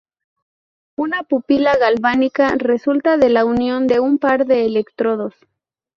Una pila galvánica resulta de la unión de un par de electrodos.